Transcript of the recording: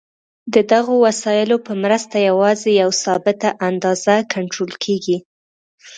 د دغو وسایلو په مرسته یوازې یوه ثابته اندازه کنټرول کېږي.